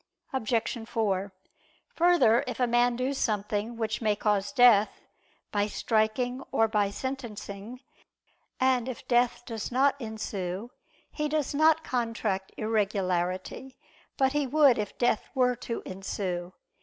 Obj. 4: Further, if a man do something which may cause death, by striking, or by sentencing, and if death does not ensue, he does not contract irregularity: but he would if death were to ensue.